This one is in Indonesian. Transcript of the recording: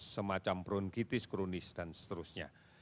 semacam bronkitis kronis dan seterusnya